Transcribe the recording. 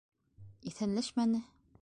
Иҫәнләшмәне.